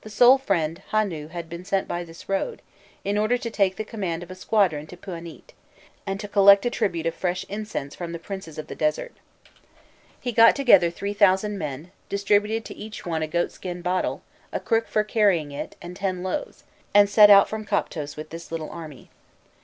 the "sole friend" Hûnû had been sent by this road, "in order to take the command of a squadron to Pûanît, and to collect a tribute of fresh incense from the princes of the desert." He got together three thousand men, distributed to each one a goatskin bottle, a crook for carrying it, and ten loaves, and set out from Koptos with this little army.